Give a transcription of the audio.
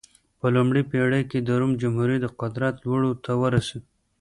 په لومړۍ پېړۍ کې د روم جمهوري د قدرت لوړو ته ورسېده.